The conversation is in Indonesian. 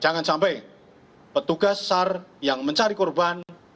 jangan sampai petugas sar yang mencari korban